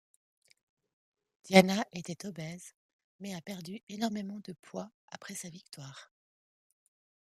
Diana était obèse mais a perdu énormément de poids après sa victoire.